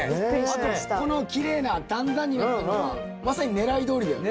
あとこのきれいな段々になってるのがまさにねらいどおりだよね。